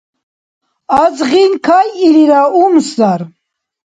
Азгъин кайилира умсар.